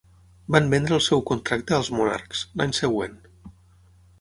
Van vendre el seu contracte als Monarchs, l'any següent.